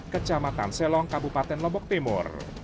kecamatan selong kabupaten lombok timur